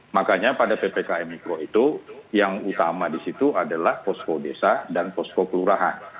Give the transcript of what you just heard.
makanya pada ppkm mikro itu yang utama di situ adalah posko desa dan posko kelurahan